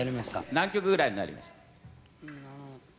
何曲ぐらいになりました？